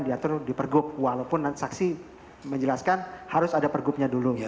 diatur di pergub walaupun saksi menjelaskan harus ada pergubnya dulu